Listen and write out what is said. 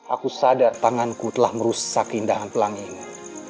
aku sadar tanganku telah merusak indahan pelanginmu